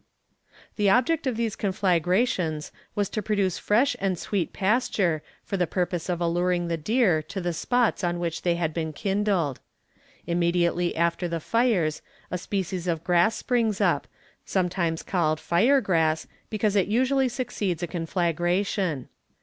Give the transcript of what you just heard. The object of these conflagrations was to produce fresh and sweet pasture, for the purpose of alluring the deer to the spots on which they had been kindled. Immediately after the fires, a species of grass springs up, sometimes called fire grass, because it usually succeeds a conflagration.